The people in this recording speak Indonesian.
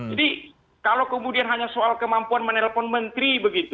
jadi kalau kemudian hanya soal kemampuan menelpon menteri begitu